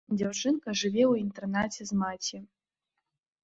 Дзяўчынка жыве ў інтэрнаце з маці.